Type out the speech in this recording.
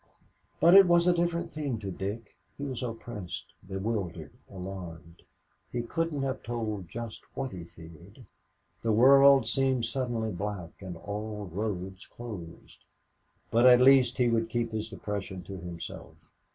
But it was a different thing to Dick. He was oppressed, bewildered, alarmed. He couldn't have told just what he feared. The world seemed suddenly black and all roads closed. But at least he would keep his depression to himself.